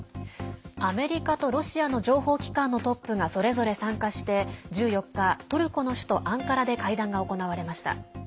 アメリカとロシアの情報機関のトップがそれぞれ参加して１４日、トルコの首都アンカラで会談が行われました。